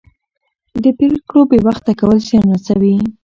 د پرېکړو بې وخته کول زیان رسوي